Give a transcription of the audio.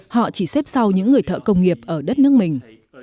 họ chỉ xếp sau những người thợ công nghiệp ở đất nước mình